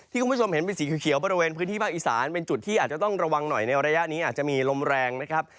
คุณผู้ชมเห็นเป็นสีเขียวบริเวณพื้นที่ภาคอีสานเป็นจุดที่อาจจะต้องระวังหน่อยในระยะนี้อาจจะมีลมแรงนะครับ